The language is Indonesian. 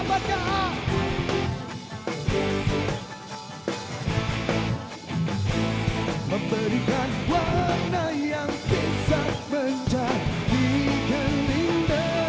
memberikan warna yang bisa menjadi gelinda